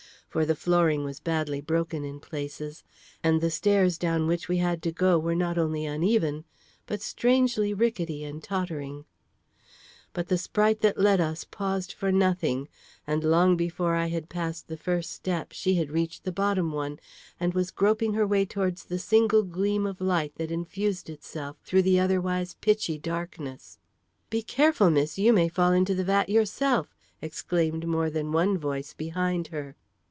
For the flooring was badly broken in places, and the stairs down which we had to go were not only uneven, but strangely rickety and tottering. But the sprite that led us paused for nothing, and long before I had passed the first step she had reached the bottom one, and was groping her way towards the single gleam of light that infused itself through the otherwise pitchy darkness. "Be careful, miss; you may fall into the vat yourself!" exclaimed more than one voice behind her.